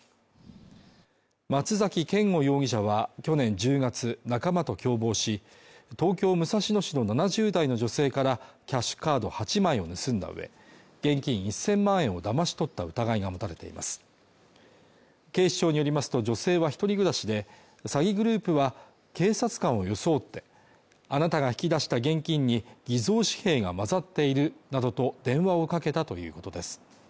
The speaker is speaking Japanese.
松崎健吾容疑者は去年１０月仲間と共謀し東京武蔵野市の７０代の女性からキャッシュカード８枚を盗んだうえ現金１０００万円をだまし取った疑いが持たれています警視庁によりますと女性は一人暮らしで詐欺グループは警察官を装ってあなたが引き出した現金に偽造紙幣が混ざっているなどと電話をかけたということです